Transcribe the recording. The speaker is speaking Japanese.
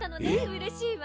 うれしいわ。